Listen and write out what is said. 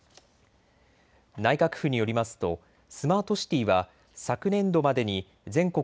内閣府によりますとスマートシティーは昨年度までに全国